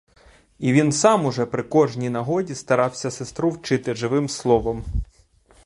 І він сам уже при кожній нагоді старався сестру вчити живим словом.